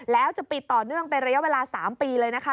แล้วจะปิดต่อเนื่องเป็นระยะเวลา๓ปีเลยนะคะ